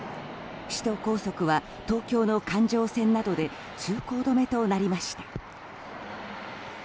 首都高速は東京の環状線などで通行止めとなりました。